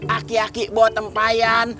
aki aki bawa tempayan